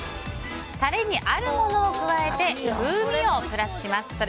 タレにあるものを加えて風味をプラスします。